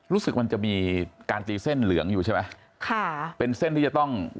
รู้สึกมันจะมีการตีเส้นเหลืองอยู่ใช่ไหมค่ะเป็นเส้นที่จะต้อง